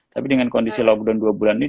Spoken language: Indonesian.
tapi dengan kondisi log down dua bulan ini